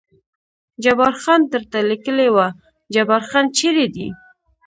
جبار خان درته لیکلي و، جبار خان چېرې دی؟